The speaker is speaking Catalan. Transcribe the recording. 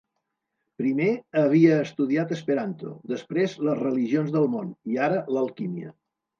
Primer, havia estudiat esperanto, després les religions del món i ara l'alquímia.